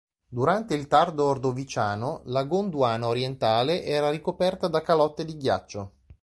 Durante il tardo Ordoviciano, la Gondwana orientale era ricoperta da calotte di ghiaccio.